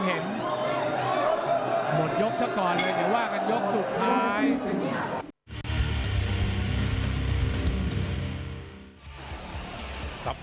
หมดยกสกรเลยถึงว่ากันยกสุดท้าย